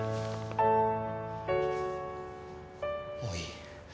もういい。